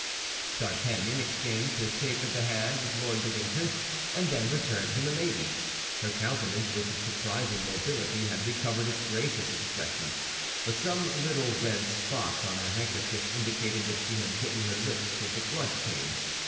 D'Artagnan exchanged a shake of the hand with Lord de Winter, and then returned to Milady. Her countenance, with surprising mobility, had recovered its gracious expression; but some little red spots on her handkerchief indicated that she had bitten her lips till the blood came.